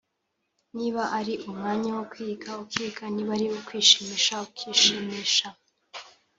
niba ari umwanya wo kwiga ukiga niba ari uwo kwishimisha ukishimisha